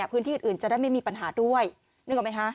พื้นที่อื่นจะได้ไม่มีปัญหาด้วยนึกออกไหมคะ